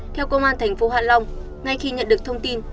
theo công an thành phố hạ long ngay khi nhận được thông tin